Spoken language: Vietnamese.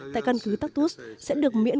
tại căn cứ taktus sẽ được miễn